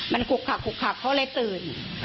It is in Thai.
มันขุกขักเขาเลยตื่น